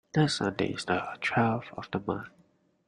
Next Sunday is the twelfth of the month.